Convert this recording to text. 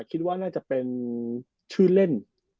คิดว่าน่าจะเป็นชื่อเล่น